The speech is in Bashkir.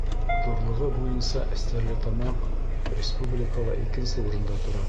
Ҙурлығы буйынса Стәрлетамаҡ республикала икенсе урында тора.